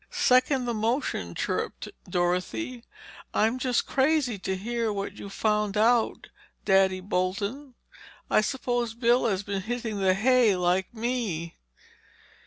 "Second the motion," chirped Dorothy. "I'm just crazy to hear what you've found out, Daddy Bolton. I suppose Bill has been hitting the hay, like me?"